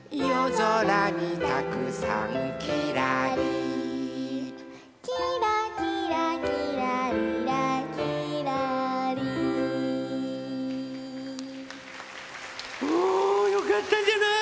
ぞらにたくさんきらり」「きらきらきらりらきらりん」おおよかったんじゃない？